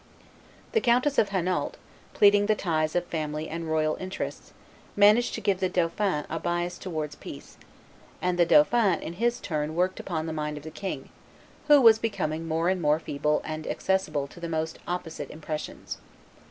The Countess of Hainault, pleading the ties of family and royal interests, managed to give the dauphin a bias towards peace; and the dauphin in his turn worked upon the mind of the king, who was becoming more and more feeble and accessible to the most opposite impressions.